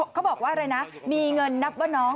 เขาบอกว่าอะไรนะมีเงินนับว่าน้อง